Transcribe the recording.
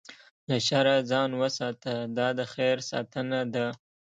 له شره ځان وساته، دا د خیر ساتنه ده.